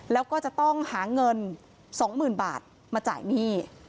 แล้วก็จะต้องหาเงินสองหมื่นบาทมาจ่ายหนี้